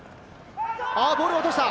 ボールを落とした！